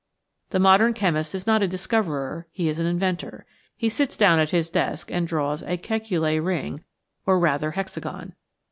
The modern chemist is not a discoverer, he is an inventor. He sits down at his desk and draws a "Kekule ring" or rather hexagon.